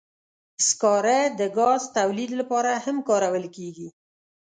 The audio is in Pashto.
سکاره د ګاز تولید لپاره هم کارول کېږي.